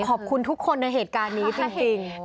ขอบคุณทุกคนในเหตุการณ์นี้จริง